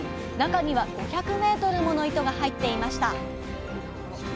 中には５００ｍもの糸が入っていました。